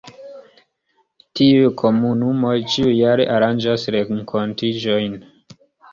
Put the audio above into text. Tiuj komunumoj ĉiujare aranĝas renkontiĝojn.